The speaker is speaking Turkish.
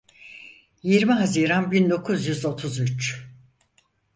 Yirmi Haziran bin dokuz yüz otuz üç.